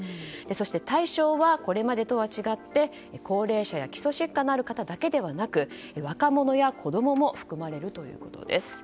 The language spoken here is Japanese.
そして対象はこれまでとは違って高齢者や基礎疾患のある方だけではなく若者や子供も含まれるということです。